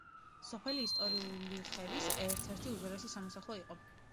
სოფელი ისტორიული ხევის ერთ-ერთი უძველესი სამოსახლო იყო.